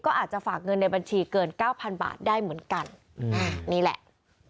ก็อาจจะฝากเงินในบัญชีเกินเก้าพันบาทได้เหมือนกันนี่แหละ